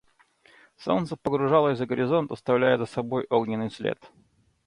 Солнце погружалось за горизонт, оставляя за собой огненный след.